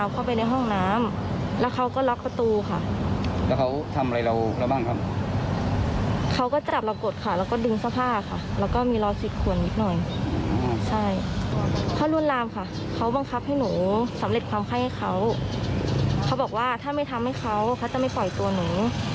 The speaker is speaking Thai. ก็ไม่ปล่อยตัวหนู